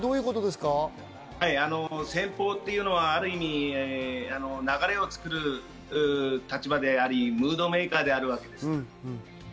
先鋒というのはある意味、流れを作る立場であり、ムードメーカーであるわけです。